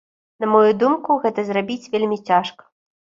На маю думку, гэта зрабіць вельмі цяжка.